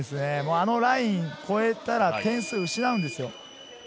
あのラインを越えたら点数を失うんですよ。